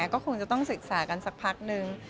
ก็คงจะต้องศึกษากันสักพักนึง